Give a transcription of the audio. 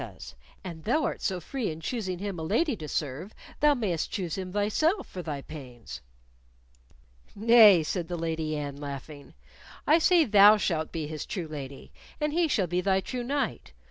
An thou art so free in choosing him a lady to serve, thou mayst choose him thyself for thy pains." "Nay," said the Lady Anne, laughing; "I say thou shalt be his true lady, and he shall be thy true knight.